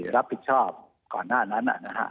รับผิดชอบก่อนหน้านั้น